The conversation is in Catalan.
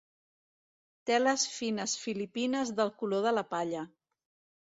Teles fines filipines del color de la palla.